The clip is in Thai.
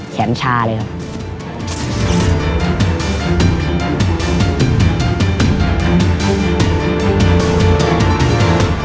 แขนชาเลยครับ